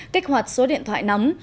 kích hoạt số điện thoại nắm